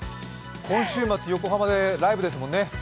今週末横浜でライブですもんね。